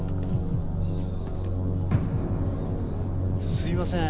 すいません